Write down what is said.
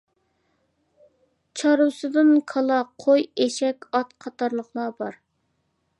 چارۋىسىدىن كالا، قوي، ئېشەك، ئات قاتارلىقلار بار.